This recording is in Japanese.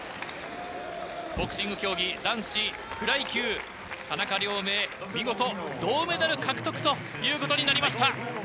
ボクシング競技男子フライ級、田中亮明、見事、銅メダル獲得ということになりました。